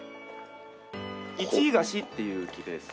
イチイガシっていう木です。